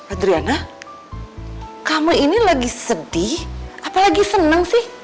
adriana kamu ini lagi sedih apa lagi senang sih